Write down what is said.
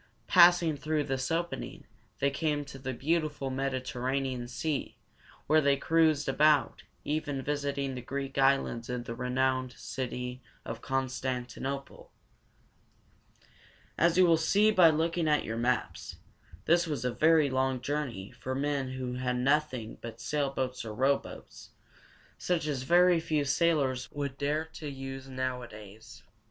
Passing through this opening, they came to the beautiful Med i ter ra´ne an Sea, where they cruised about, even visiting the Greek islands and the renowned city of Con stan ti no´ple. As you will see by looking at your maps, this was a very long journey for men who had nothing but sailboats or rowboats, such as very few sailors would dare to use nowadays.